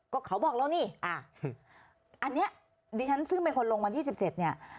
ก็เขาบอกแล้วนี่อันนี้ดิฉันซึ่งเป็นคนลงวันที่๑๗เนี่ย